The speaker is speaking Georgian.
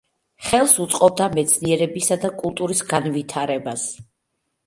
ხელს უწყობდა მეცნიერებისა და კულტურის განვითარებას.